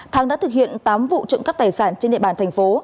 tháng đã thực hiện tám vụ trộm cắp tài sản trên địa bàn thành phố